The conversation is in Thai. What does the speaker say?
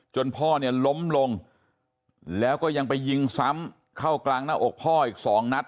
พ่อเนี่ยล้มลงแล้วก็ยังไปยิงซ้ำเข้ากลางหน้าอกพ่ออีกสองนัด